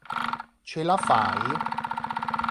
Ce la fai??